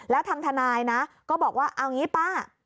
แล้วทางทนายนะก็บอกว่าเอางี้ป้า